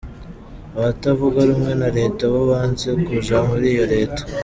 Abatavuga rumwe na leta bo banse kuja muri iyo leta.